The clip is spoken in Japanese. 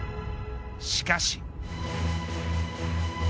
しかし。